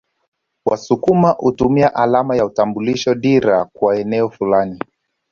Wasukuma hutumia alama ya utambulisho dira kwa eneo fulani